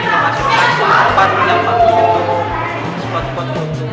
tempat masuk masuk tempat menjelang foto spot spot foto